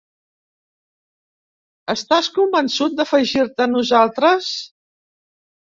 Estàs convençut d'afegir-te a nosaltres?